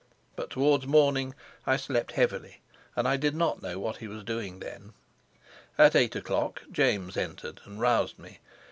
But towards morning I slept heavily, and I did not know what he was doing then. At eight o'clock James entered and roused me.